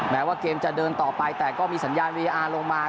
แม้ว่าเกมจะเดินต่อไปแต่ก็มีสัญญาณวีอาร์ลงมา